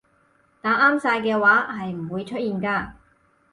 打啱晒嘅話係唔會出現㗎